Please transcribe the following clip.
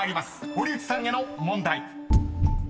堀内さんへの問題］